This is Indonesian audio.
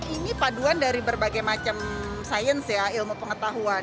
ini paduan dari berbagai macam sains ya ilmu pengetahuan